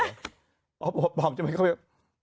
บอกบ่วบพลอมจะไม่เข้าชัย